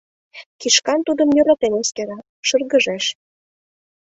Кишкан тудым йӧратен эскера, шыргыжеш.